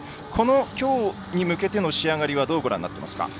きょうに向けての仕上がりはどうご覧になっていますか。